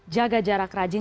jaga jarak rajin